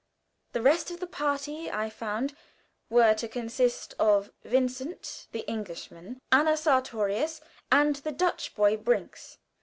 The rest of the party, I found, were to consist of Vincent, the Englishman, Anna Sartorius, and the Dutch boy, Brinks.